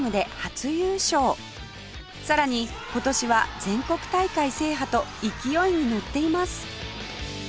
さらに今年は全国大会制覇と勢いにのっています